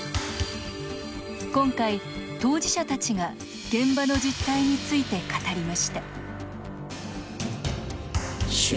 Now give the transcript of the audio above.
今回、当事者たちが現場の実態について語りました